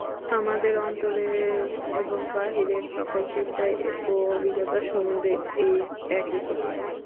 আমাদের অন্তরের এবং বাহিরের সকল চিন্তা ও অভিজ্ঞতা সম্বন্ধে এই একই কথা।